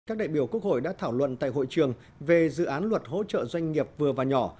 các đại biểu quốc hội đã thảo luận tại hội trường về dự án luật hỗ trợ doanh nghiệp vừa và nhỏ